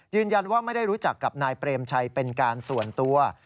ยืนยันว่าไม่ได้รู้จักกับนายเปรมชัยเป็นการส่วนตัว